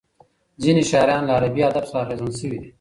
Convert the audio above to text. ځینې شاعران له عربي ادب څخه اغېزمن شوي دي.